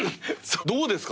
どうですか？